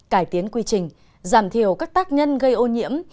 cải tiến quy trình giảm thiểu các tác nhân gây ô nhiễm